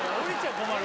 困る